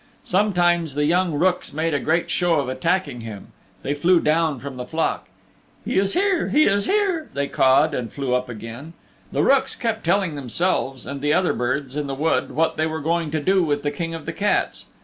Sometimes the young rooks made a great show of attacking him. They flew down from the flock. "He is here, here, here," they cawed and flew up again. The rooks kept telling themselves and the other birds in the wood what they were going to do with the King of the Cats.